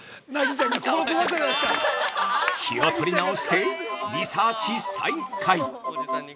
◆気を取り直して、リサーチ再開。